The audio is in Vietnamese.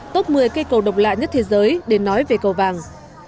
top một mươi cây cầu độc lạ nhất thế giới để nói về cầu vàng